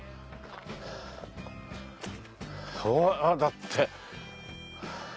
あっだって。